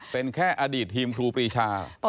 เป็นแค่อดีตทีมครูปรีชา